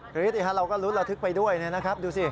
กรี๊ดสิค่ะเราก็รุ้นละทึกไปด้วยนะดูสิ